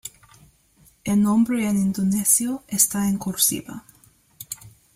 El nombre en indonesio está en cursiva.